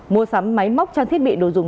mua sắm máy móc trang thiết bị đồ dùng